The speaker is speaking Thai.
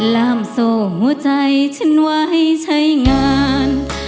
ลามโสดใจฉันไว้ใช้งาน